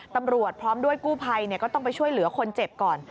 ตำรวจพร้อมด้วยกู้ภัยก็ต้องไปช่วยเหลือคนเจ็บก่อน